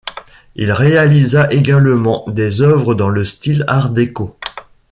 Il réalisa également des œuvres dans le style Art déco.